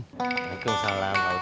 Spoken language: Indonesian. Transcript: waalaikumsalam pak ustadz